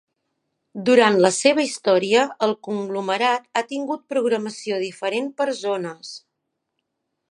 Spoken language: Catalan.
Durant la seva història el conglomerat ha tingut programació diferent per zones.